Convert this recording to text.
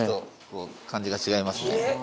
感じが違いますね。